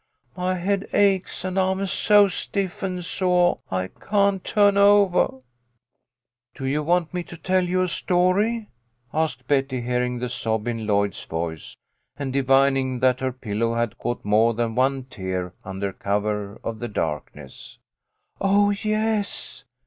My head aches, and I'm so stiff and soah I can't tu'n ovah !"" Do you want me to tell you a story ?" asked Betty, hearing the sob in Lloyd's voice, and divining that her pillow had caught more than one tear under cover of the darkness. " Oh, yes